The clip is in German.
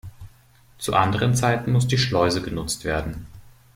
Zu anderen Zeiten muss die Schleuse genutzt werden.